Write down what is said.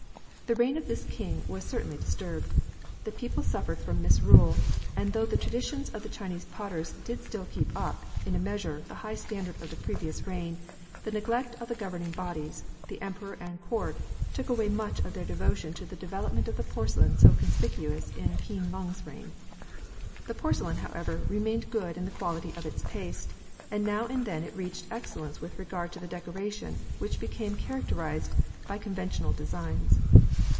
The reign of this king was certainly disturbed. The people suffered from misrule, and though the traditions of the Chinese potters did still keep up, in a measure, the high standard of the previous reign, the neglect of the governing bodies, of the Emperor and Court, took away much of their devotion to the development of the porcelain so conspicuous in Keen lung's reign. The porcelain, however, remained good in the quality of its paste, and now and then it reached excellence with regard to the decoration, which became characterised by conventional designs.